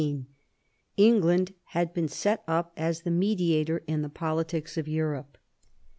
England had been set up as the mediator in the politics of Europe.